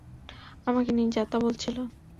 আমাকে নিয়ে যা-তা বলছিল।